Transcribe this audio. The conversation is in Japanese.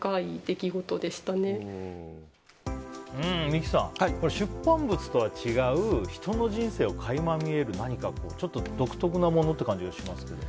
三木さん、出版物とは違う人の人生を垣間見える何かちょっと独特なものという感じがしますけど。